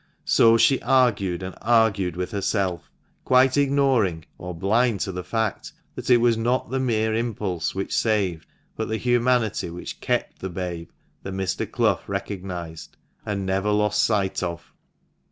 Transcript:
So 32 THE MANCHESTER MAN. she argued and argued with herself, quite ignoring, or blind to the fact that it was not the mere impulse which saved, but the humanity which kept the babe, that Mr. Clough recognized, and never lost sight of.